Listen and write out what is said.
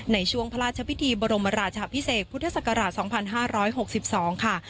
ในช่วงพระราชพิธีบรมราชาพิเศษพุทธศักราช๒๕๖๒ค่ะ